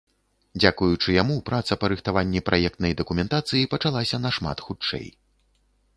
Дзякуючы яму праца па рыхтаванні праектнай дакументацыі пачалася нашмат хутчэй.